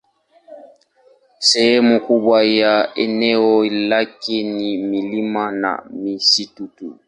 Sehemu kubwa ya eneo lake ni milima na misitu tu.